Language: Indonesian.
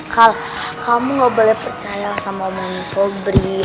kal kamu gak boleh percaya sama omongnya sobri